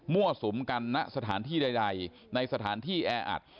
สุมกันณสถานที่ใดในสถานที่แออัด